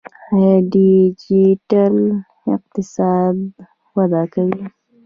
آیا ډیجیټل اقتصاد وده کوي؟